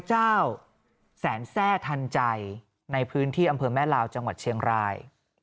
เจ้าแสนแทร่ทันใจในพื้นที่อำเภอแม่ลาวจังหวัดเชียงราย